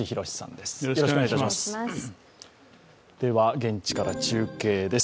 では現地から中継です。